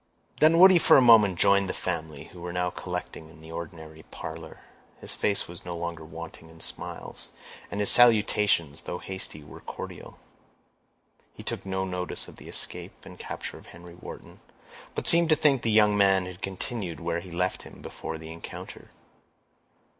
Dunwoodie for a moment joined the family, who were now collecting in the ordinary parlor. His face was no longer wanting in smiles, and his salutations, though hasty, were cordial. He took no notice of the escape and capture of Henry Wharton, but seemed to think the young man had continued where he had left him before the encounter.